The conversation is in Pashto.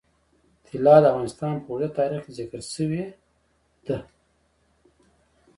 طلا د افغانستان په اوږده تاریخ کې ذکر شوی دی.